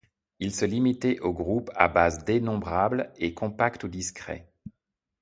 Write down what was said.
Il se limitait aux groupes à base dénombrable, et compacts ou discrets.